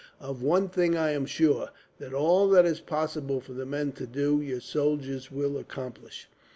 Of one thing I am sure, that all that is possible for the men to do, your soldiers will accomplish."